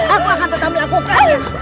aku akan tetap melakukan